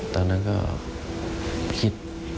ตอนนั้นก็คิด